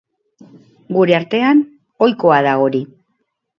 Gure artean, ohikoa da hori.